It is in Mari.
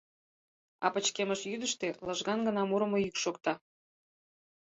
А пычкемыш йӱдыштӧ лыжган гына мурымо йӱк шокта: